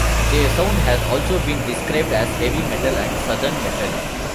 Their sound has also been described as heavy metal and Southern metal.